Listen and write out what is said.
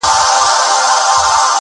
o دا پاته عمر ملنګي کوومه ښه کوومه,